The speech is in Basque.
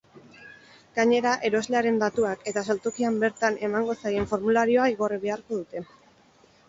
Gainera eroslearen datuak eta saltokian bertan emango zaien formularioa igorri beharko dute.